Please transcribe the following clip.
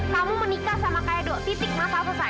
kamu menikah sama kaedo titik masa selesai